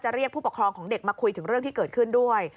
เรียกผู้ปกครองของเด็กมาคุยถึงเรื่องที่เกิดขึ้นด้วย